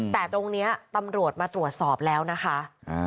แต่ตรงนี้ตำรวจมาตรวจสอบแล้วนะคะ